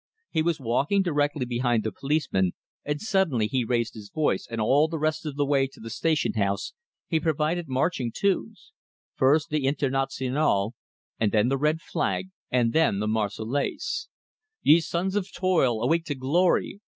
He was walking directly behind the policeman, and suddenly he raised his voice, and all the rest of the way to the station house he provided marching tunes: first the Internationale, and then the Reg Flag, and then the Marseillaise: Ye sons of toil, awake to glory!